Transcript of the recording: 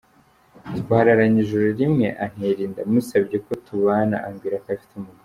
Twararanye ijoro rimwe antera inda musabye ko tubana ambwira ko afite umugore.